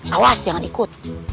awas jangan ikut